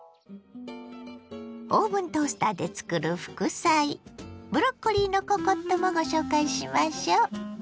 オーブントースターでつくる副菜ブロッコリーのココットもご紹介しましょ。